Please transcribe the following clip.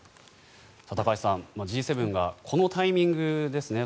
高橋さん、Ｇ７がこのタイミングですね。